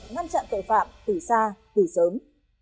ngăn chặn tội phạm từ xa từ sớm